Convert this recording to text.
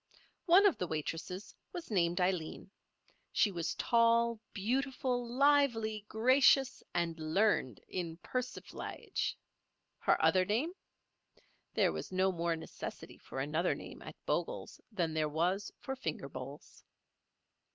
One of the waitresses was named Aileen. She was tall, beautiful, lively, gracious and learned in persiflage. Her other name? There was no more necessity for another name at Bogle's than there was for finger bowls.